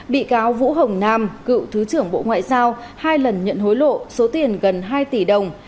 bị cáo vũ hồng nam cựu thứ trưởng bộ ngoại giao hai lần nhận hối lộ số tiền gần hai tỷ đồng